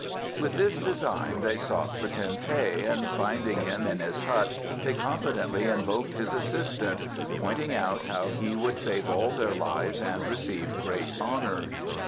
With this design they sought for Ten teh and finding him in his hut they confidently invoked his assistance, pointing out how he would save all their lives and receive great honour.